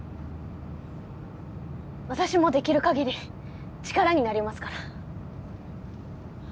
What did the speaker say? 私もできる限り力になりますから。